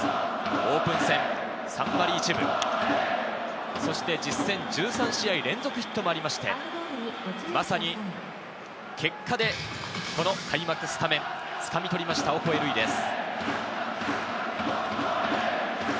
オープン戦３割１分、そして実戦１３試合連続ヒットもありまして、まさに結果でこの開幕スタメン、掴み取りましたオコエ瑠偉です。